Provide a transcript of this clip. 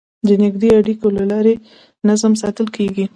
د نږدې اړیکو له لارې نظم ساتل کېږي.